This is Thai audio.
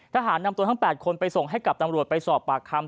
นำตัวทั้ง๘คนไปส่งให้กับตำรวจไปสอบปากคำ